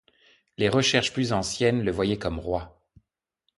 Les recherches plus anciennes le voyaient comme roi.